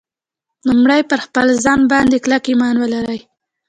لومړی پر خپل ځان باندې کلک ایمان ولرئ